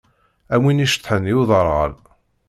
Am win iceṭḥen i uderɣal.